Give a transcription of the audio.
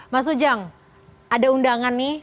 mas ujang ada undangan nih